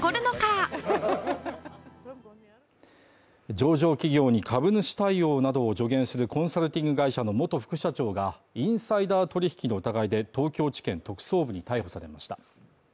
上場企業に株主対応などを助言するコンサルティング会社の元副社長がインサイダー取引の疑いで東京地検特捜部に逮捕されました。